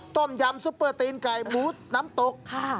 ต้มยำซุปเปอร์ตีนไก่บูธน้ำตก